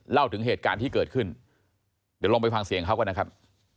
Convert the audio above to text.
เล่าถึงเหตุการณ์ที่เกิดขึ้นเดี๋ยวลองไปฟังเสียงเขาก่อนนะครับ